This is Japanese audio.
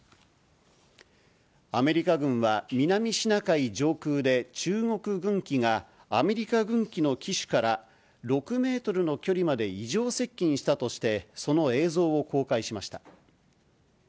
アメリカ軍は、南シナ海上空で中国軍機が、アメリカ軍機の機首から６メートルの距離まで異常接近したとして、その映像を公開しました。